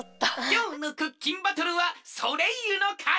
きょうのクッキンバトルはソレイユのかちじゃ！